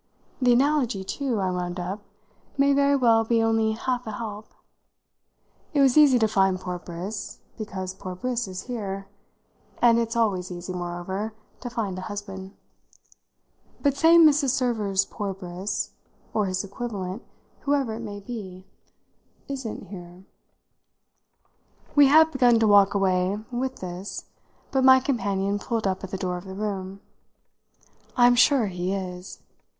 The analogy too," I wound up, "may very well be only half a help. It was easy to find poor Briss, because poor Briss is here, and it's always easy, moreover, to find a husband. But say Mrs. Server's poor Briss or his equivalent, whoever it may be isn't here." We had begun to walk away with this, but my companion pulled up at the door of the room. "I'm sure he is.